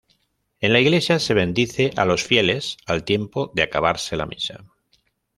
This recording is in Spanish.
En la iglesia se bendice a los fieles al tiempo de acabarse la misa.